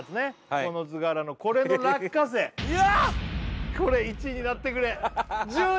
この図柄のこれの落花生これ１位になってくれ順位